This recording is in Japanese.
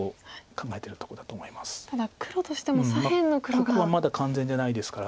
ここはまだ完全じゃないですから。